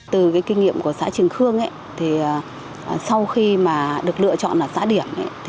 từ kinh nghiệm của xã trường khương sau khi được lựa chọn là xã điểm